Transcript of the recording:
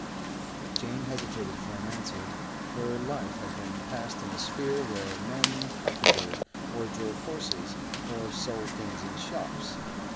Jane hesitated for an answer. Her life had been passed in a sphere where men carpentered or drove horses or sold things in shops.